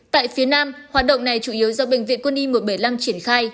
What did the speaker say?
tại phía nam hoạt động này chủ yếu do bệnh viện quân y một trăm bảy mươi năm triển khai